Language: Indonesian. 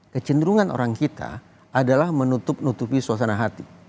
kecenderungan orang kita adalah menutup nutupi suasana hati